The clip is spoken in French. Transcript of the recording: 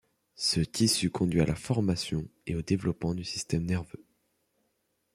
Ce tissu conduit à la formation et au développement du système nerveux.